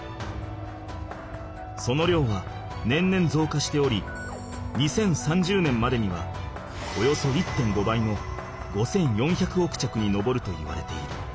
その量は年々ぞうかしており２０３０年までにはおよそ１．５倍の５４００億着に上るといわれている。